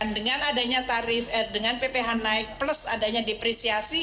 dengan adanya tarif dengan pph naik plus adanya depresiasi